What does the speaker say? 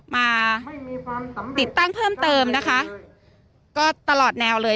มาติดตั้งเพิ่มเติมนะคะก็ตลอดแนวเลย